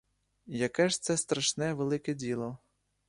Яке ж це страшне, велике діло!